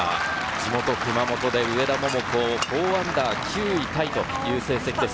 地元・熊本で上田桃子、−４で９位タイという成績です。